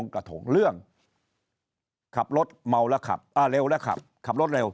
พริวกันไปพริวกันมา